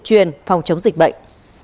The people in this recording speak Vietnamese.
truyền phòng chống dịch bệnh